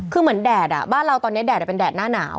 คือเหมือนแดดบ้านเราตอนนี้แดดเป็นแดดหน้าหนาว